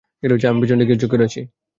আমি পেছনটা গিয়ে চেক করে আসি।